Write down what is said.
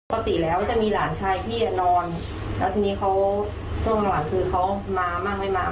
ปกติแล้วจะมีหลานชายพี่นอนแล้วทีนี้เขาช่วงหลังคือเขามามั่งไม่มา